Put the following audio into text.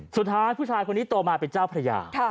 สุดท้ายผู้ชายคนนี้โตมาเป็นเจ้าพระยา